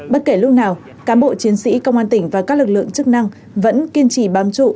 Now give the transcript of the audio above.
bất kể lúc nào cán bộ chiến sĩ công an tỉnh và các lực lượng chức năng vẫn kiên trì bám trụ